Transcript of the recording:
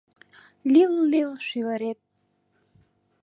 Лил-лил шӱвырет.